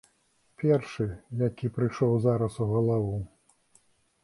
Першы, які прыйшоў зараз у галаву.